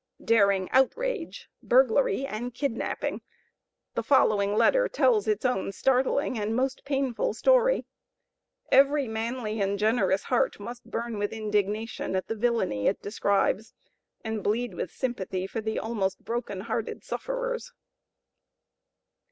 Daring outrage! burglary and kidnapping! The following letter tells its own startling and most painful story. Every manly and generous heart must burn with indignation at the villainy it describes, and bleed with sympathy for the almost broken hearted sufferers.